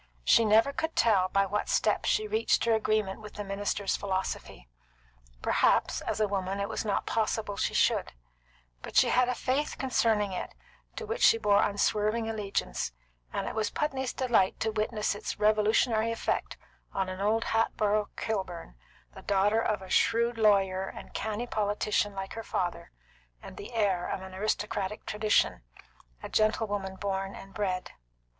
She never could tell by what steps she reached her agreement with the minister's philosophy; perhaps, as a woman, it was not possible she should; but she had a faith concerning it to which she bore unswerving allegiance, and it was Putney's delight to witness its revolutionary effect on an old Hatboro' Kilburn, the daughter of a shrewd lawyer and canny politician like her father, and the heir of an aristocratic tradition, a gentlewoman born and bred.